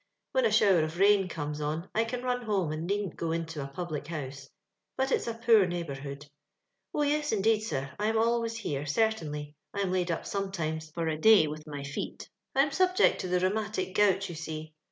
When a shower of rain comes on, I can run home, and needn't go into a public house ; but it's a poor neighboiuhood. "Oh yes, indeed sir, I am always here. Certainly ; I am laid up sometimes for a day with my feet. I am subject to the ihea matio gout, you see.